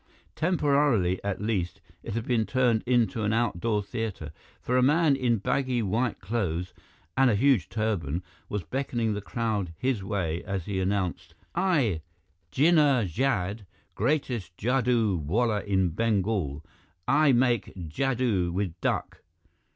Temporarily, at least, it had been turned into an outdoor theater, for a man in baggy white clothes and a huge turban was beckoning the crowd his way as he announced: "I, Jinnah Jad, greatest jadoo wallah in Bengal. I make jadoo with duck.